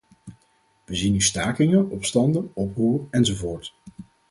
We zien nu stakingen, opstanden, oproer, enzovoort.